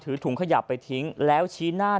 ถุงขยับไปทิ้งแล้วชี้หน้า